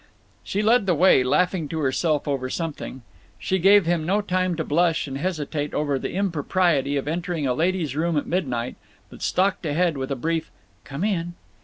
She led the way, laughing to herself over something. She gave him no time to blush and hesitate over the impropriety of entering a lady's room at midnight, but stalked ahead with a brief "Come in."